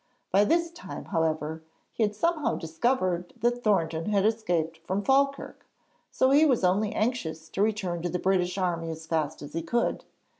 By this time, however, he had somehow discovered that Thornton had escaped from Falkirk, so he was only anxious to return to the British army as fast as he could.